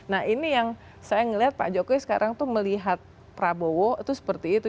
nah ini yang saya melihat pak jokowi sekarang tuh melihat prabowo itu seperti itu